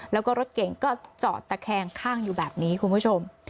แล้วก็รถเก่งก็จอดตะแคงข้างอยู่แบบนี้คุณผู้ชม